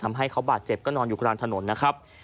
ทำให้เขาบาดเจ็บก็นอนอยู่กลางถนนนะครับ